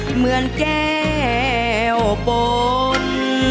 เหมือนแก้วปน